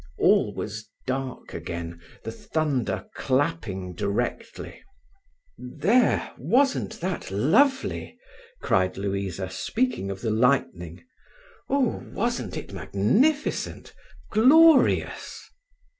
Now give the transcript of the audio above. All was dark again, the thunder clapping directly. "There, wasn't that lovely!" cried Louisa, speaking of the lightning. "Oo, wasn't it magnificent!—glorious!"